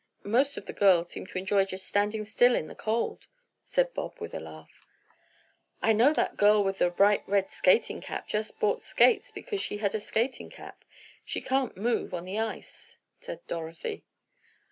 "Most of the girls seem to enjoy just standing still in the cold," said Bob, with a laugh. "I know that girl with the bright red skating cap just bought skates because she had a skating cap; she can't move on the ice," said Dorothy.